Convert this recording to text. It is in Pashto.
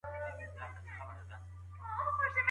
په لاس لیکلنه د پوهي د ترلاسه کولو تر ټولو ریښتینې لاره ده.